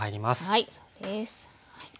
はいそうです。